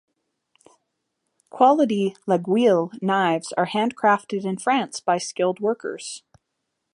Quality "laguiole" knives are handcrafted in France by skilled workers.